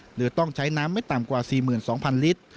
หรือต้องใช้น้ำไม่ต่ำกว่า๔๒๐๐ลิตร